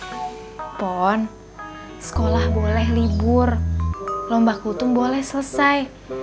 kupon sekolah boleh libur lomba hutung boleh selesai